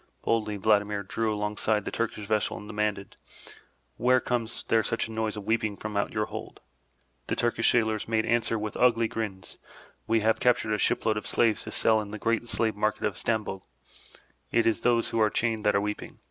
Boldly Vladimir drew alongside the Turkish vessel and demanded, *'Why comes there such noise of weeping from out your hold?'* The Turkish sailors made answer with ugly grins, We have captured a ship load of slaves to sell in the great slave market of Stamboul. It is those who are chained that are weeping.